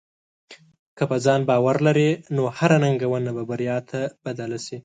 که په ځان باور لرې، نو هره ننګونه به بریا ته بدل شي.